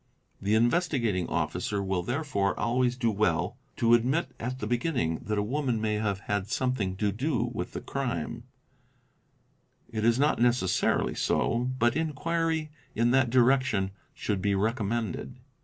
The Investigating Officer will therefore always do well to admit at the beginning that a woman may have something to do with the crime ; it 1s not necessarily so, but inquiry in that direction should be recommended.